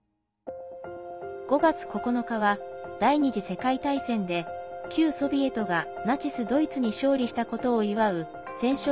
５月９日は、第２次世界大戦で旧ソビエトがナチス・ドイツに勝利したことを祝う戦勝